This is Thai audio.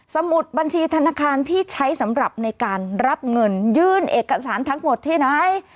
มุดบัญชีธนาคารที่ใช้สำหรับในการรับเงินยื่นเอกสารทั้งหมดที่ไหน